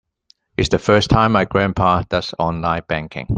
It's the first time my grandpa does online banking.